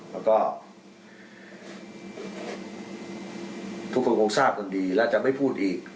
แล้วก็ทุกคนคงทราบกันดีและจะไม่พูดอีก